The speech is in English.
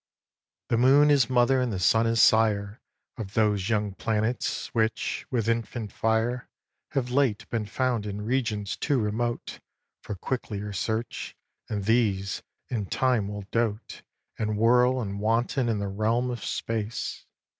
xvi. The moon is mother and the sun is sire Of those young planets which, with infant fire, Have late been found in regions too remote For quicklier search; and these, in time, will dote And whirl and wanton in the realms of space.